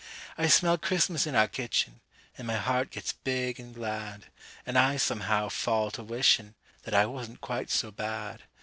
I smell Christmas in our kitchen, An' my heart gets big an' glad, An' I, somehow, fall to wishin', That I wasn't quite so bad.